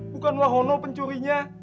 bukan wahono pencurinya